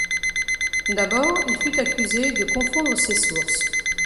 D'abord, il fut accusé de confondre ses sources.